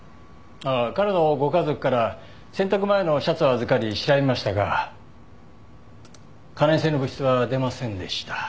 ああ彼のご家族から洗濯前のシャツを預かり調べましたが可燃性の物質は出ませんでした。